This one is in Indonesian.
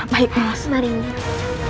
baik nimas mari nyira